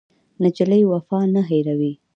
نجلۍ وفا نه هېروي.